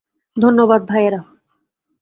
ধন্যবাদ, ভাইয়েরা।